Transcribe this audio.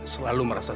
selalu merasa sedih